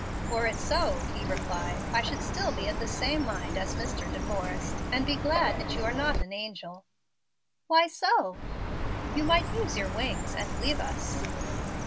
"Were it so," he replied, "I should still be of the same mind as Mr. De Forrest, and be glad that you are not an angel." "Why so?" "You might use your wings and leave us."